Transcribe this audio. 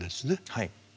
はい。